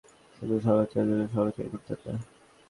আমি দেখেছি, মাহবুব ভাই কখনো শুধুই সমালোচনার জন্য সমালোচনা করতেন না।